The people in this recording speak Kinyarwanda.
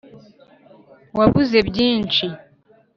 wabuze byinshi